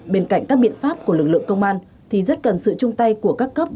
bên cạnh các biện pháp của lực lượng công an thì rất cần sự chung tay của các cấp